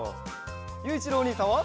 ゆういちろうおにいさんは？